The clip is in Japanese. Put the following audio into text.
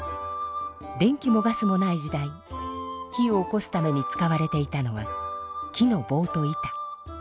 電気もガスもない時代火をおこすために使われていたのは木のぼうと板。